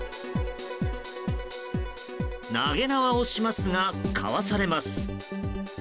投げ縄をしますがかわされます。